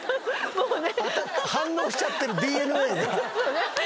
もうね。